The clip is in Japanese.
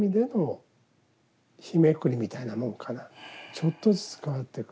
ちょっとずつ変わってく。